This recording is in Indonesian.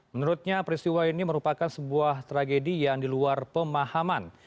menurutnya peristiwa ini merupakan sebuah tragedi yang diluar pemahaman